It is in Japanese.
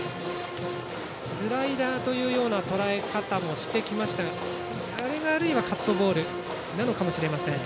スライダーというようなとらえ方もしてきましたがあれが、あるいはカットボールかもしれません。